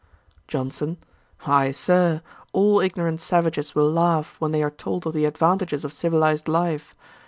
JOHNSON. 'Why, Sir, all ignorant savages will laugh when they are told of the advantages of civilized life.